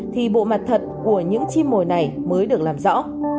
thì bộ mặt thật của những chim mồi này mới được làm rõ